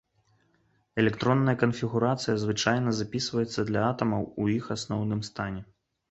Электронная канфігурацыя звычайна запісваецца для атамаў ў іх асноўным стане.